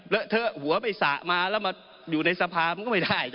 แล้วเธอหัวไปสระมาแล้วมาอยู่ในสะพามก็ไม่ได้